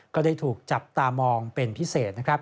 ก็ได้ถูกจับตามองเป็นพิเศษนะครับ